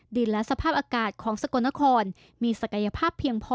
และสภาพอากาศของสกลนครมีศักยภาพเพียงพอ